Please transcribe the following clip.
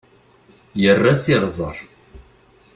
Yerra s iɣẓer.